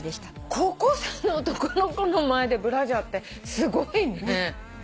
高校生の男の子の前でブラジャーってすごいね。